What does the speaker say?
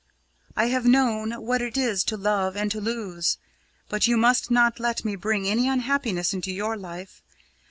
I have known what it is to love and to lose. But you must not let me bring any unhappiness into your life.